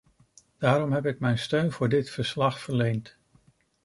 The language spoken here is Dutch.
Daarom heb ik mijn steun voor dit verslag verleend.